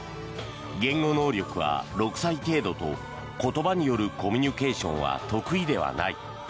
言語能力は６歳程度と言葉によるコミュニケーションは得意ではない。